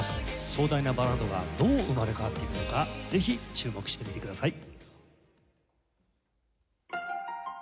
壮大なバラードがどう生まれ変わっていくのかぜひ注目してみてください。